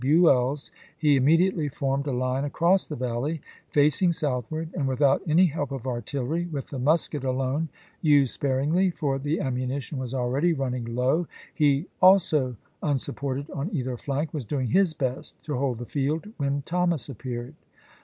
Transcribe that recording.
Buell's, he immediately formed a line across the valley, facing southward, and without any help of artillery, with the musket alone, used sparingly, for the ammunition was already running low, he, also unsupported on either flank, was doing his best to hold the field when Thomas appeared.